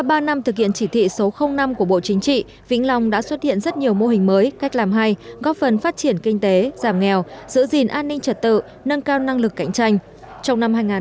sau ba năm thực hiện chỉ thị số năm của bộ chính trị vĩnh long đã xuất hiện rất nhiều mô hình mới cách làm hay góp phần phát triển kinh tế giảm nghèo giữ gìn an ninh trật tự nâng cao năng lực cạnh tranh